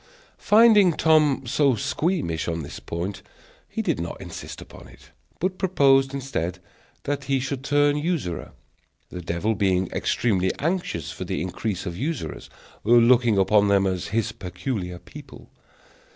Finding Tom so squeamish on this point, he did not insist upon it, but proposed, instead, that he should turn usurer; the devil being extremely anxious for the increase of usurers, looking upon them as his peculiar people.